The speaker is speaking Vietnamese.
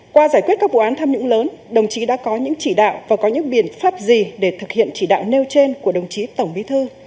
qua giải quyết các vụ án tham nhũng lớn đồng chí đã có những chỉ đạo và có những biện pháp gì để thực hiện chỉ đạo nêu trên của đồng chí tổng bí thư